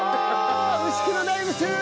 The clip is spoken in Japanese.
牛久の大仏！